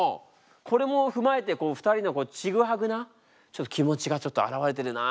これも踏まえて２人のちぐはぐな気持ちがちょっと表れてるな